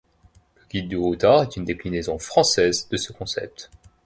Le Guide du routard est une déclinaison française de ce concept.